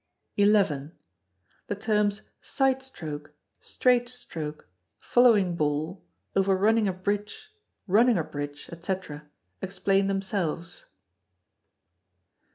xi. The terms side stroke, straight stroke, following ball, over running a bridge, running a bridge, &c., explain themselves.